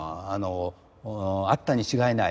あったに違いない。